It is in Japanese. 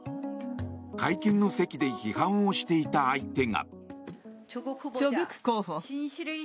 会見の席で批判をしていた相手が。